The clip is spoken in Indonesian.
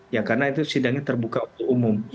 ya karena itu sidangnya terbuka untuk umum